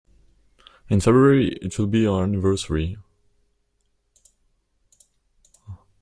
In February it will be our anniversary.